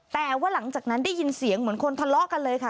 แต่ว่าหลังจากนั้นได้ยินเสียงเหมือนคนทะเลาะกันเลยค่ะ